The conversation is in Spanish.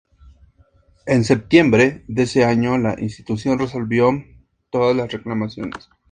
En septiembre de ese año la institución resolvió todas las reclamaciones.